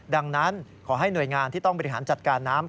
ดังนั้นขอให้หน่วยงานที่ต้องบริหารจัดการน้ำ